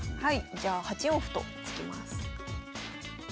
じゃあ８四歩と突きます。